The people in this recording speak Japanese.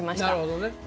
なるほどね。